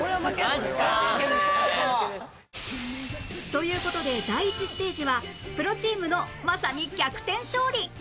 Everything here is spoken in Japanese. という事で第１ステージはプロチームのまさに逆転勝利